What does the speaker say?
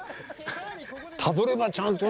たどればちゃんとね。